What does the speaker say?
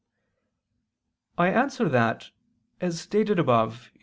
I answer that, As stated above (Q.